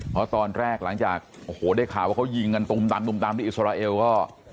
เพราะตอนแรกหลังจากโอ้โหได้ข่าวว่าเขายิงกันตุมตามตุ่มตามที่อิสราเอลก็